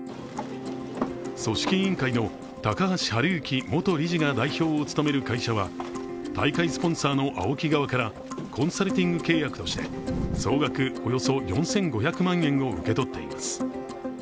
組織委員会の高橋治之元理事が代表を務める会社は大会スポンサーのＡＯＫＩ側からコンサルティング契約として総額およそ４５００万円を受け取っています。